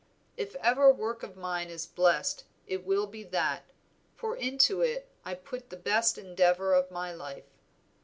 If ever work of mine is blessed it will be that, for into it I put the best endeavor of my life.